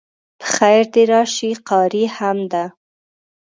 په خیر د راشی قاری هم ده